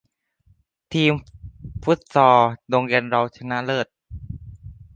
ทีมฟุตซอลโรงเรียนเราชนะเลิศ